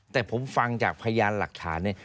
แต่ผมฟังจากพยานหลักฐานเนี่ย